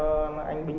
bạn viết tổng bao tiền